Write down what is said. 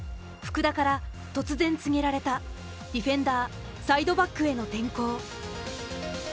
福田から突然告げられたディフェンダーサイドバックへの転向。